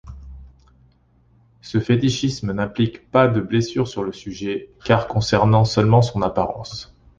Ce fétichisme n'implique pas de blessures sur le sujet, car concernant seulement son apparence.